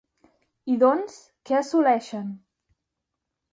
I doncs, què assoleixen?